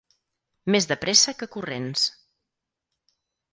Més de pressa que corrents.